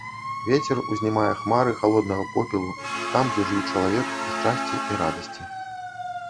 Вецер узнімае хмары халоднага попелу там, дзе жыў чалавек у шчасці і радасці.